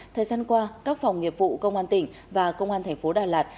thời gian qua các phòng nghiệp vụ công an tỉnh và công an thành phố đà lạt